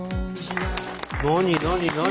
何？